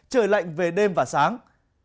trời lạnh về đêm và sáng